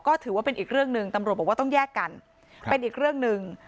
ก็ถือว่าเป็นอีกเรื่องหนึ่งตำรวจบอกว่าต้องแยกกันเป็นอีกเรื่องหนึ่ง